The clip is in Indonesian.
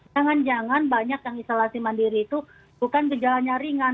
jangan jangan banyak yang isolasi mandiri itu bukan gejalanya ringan